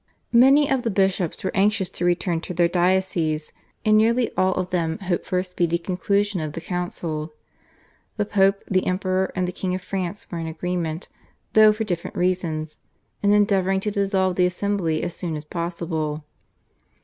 Many of the bishops were anxious to return to their dioceses, and nearly all of them hoped for a speedy conclusion of the council. The Pope, the Emperor, and the King of France were in agreement, though for different reasons, in endeavouring to dissolve the assembly as soon as possible.